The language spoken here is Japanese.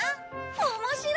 面白い！